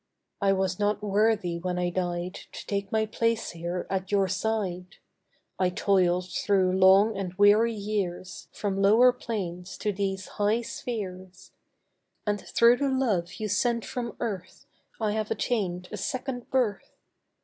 I was not worthy when I died To take my place here at your side; I toiled through long and weary years From lower planes to these high spheres; And through the love you sent from earth I have attained a second birth.